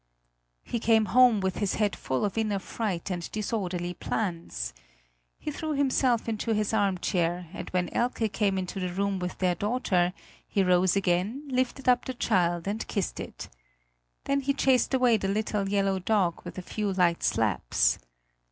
He came home with his head full of inner fright and disorderly plans. He threw himself into his armchair, and when Elke came into the room with their daughter, he rose again, lifted up the child and kissed it. Then he chased away the little yellow dog with a few light slaps.